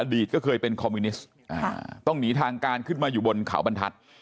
ตก็เคยเป็นคอมมิวนิสต์ต้องหนีทางการขึ้นมาอยู่บนเขาบรรทัศน์